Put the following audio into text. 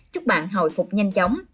chúc bạn hồi phục nhanh chóng